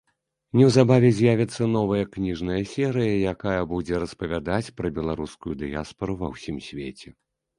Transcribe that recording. Неўзабаве з'явіцца новая кніжная серыя, якая будзе распавядаць пра беларускую дыяспару ва ўсім свеце.